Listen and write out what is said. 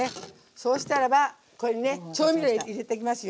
そうしたらばこれにね調味料入れていきますよ。